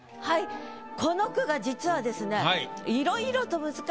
この句が実はですね